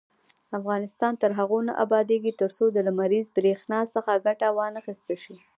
افغانستان تر هغو نه ابادیږي، ترڅو د لمریزې بریښنا څخه ګټه وانخیستل شي.